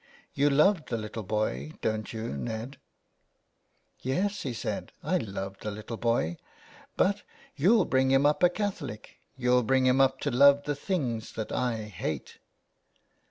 You love the little boy, don't you, Ned ?" 391 THE WILD GOOSE. " Yes/' he said, " I love the little boy. ... But you'll bring him up a Catholic. You'll bring him up to love the things that I hate."